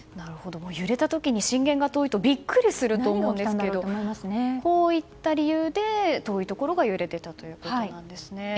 揺れた時に震源が遠いとビックリすると思いますけどこういった理由で遠いところが揺れてたんですね。